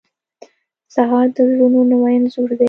سهار د زړونو نوی انځور دی.